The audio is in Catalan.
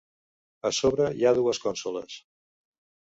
A sobre hi ha dues consoles.